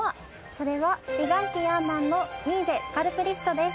それは美顔器ヤーマンのミーゼスカルプリフトです。